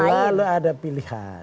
selalu ada pilihan